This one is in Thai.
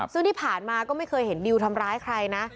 ซึ่งที่ผ่านมาก็ไม่เคยเห็นดิวทำร้ายใครนะ